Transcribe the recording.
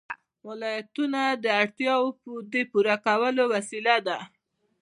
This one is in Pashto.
ولایتونه د اړتیاوو د پوره کولو وسیله ده.